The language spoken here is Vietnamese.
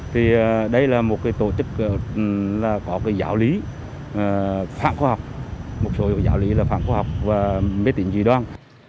thì đây là một cái tổ chức là có cái giáo lý phản khoa học một số giáo lý là phạm khoa học và mê tính dị đoan